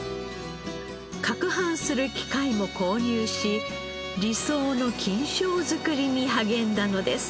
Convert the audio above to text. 撹拌する機械も購入し理想の菌床作りに励んだのです。